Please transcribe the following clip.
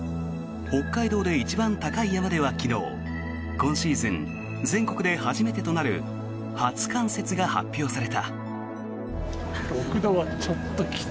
北海道で一番高い山では昨日今シーズン全国で初めてとなる初冠雪が発表された。